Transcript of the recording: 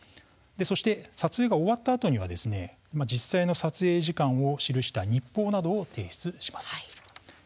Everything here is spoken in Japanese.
そして撮影が終わったあとには実際の撮影時間を記した日報などを提出します。